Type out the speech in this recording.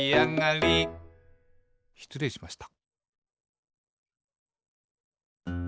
しつれいしました。